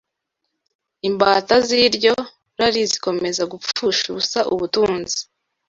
Imbata z’iryo rari zikomeza gupfusha ubusa ubutunzi